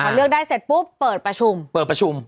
พอเลือกได้เสร็จปุ๊บเปิดประชุม